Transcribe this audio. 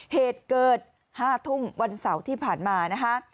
เหตุเกิด๕ทุ่มวันเสาร์ที่ผ่านมานะคะ